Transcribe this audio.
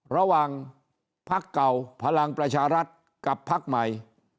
ระหว่างพักเก่าพลังประชารัฐกับพักใหม่